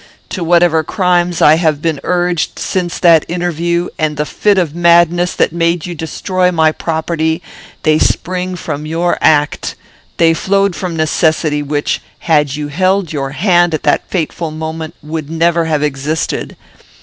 To whatever crimes I have been urged since that interview, and the fit of madness that made you destroy my property, they spring from your act; they flowed from necessity, which, had you held your hand at that fateful moment, would never have existed.